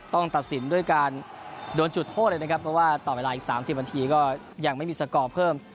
ตัดสินด้วยการโดนจุดโทษเลยนะครับเพราะว่าต่อเวลาอีก๓๐นาทีก็ยังไม่มีสกอร์เพิ่ม